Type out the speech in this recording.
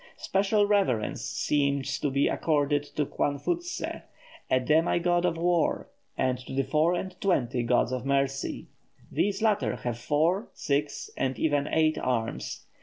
Special reverence seems to be accorded to Kwanfootse, a demi god of war, and to the four and twenty gods of mercy. These latter have four, six, and even eight arms.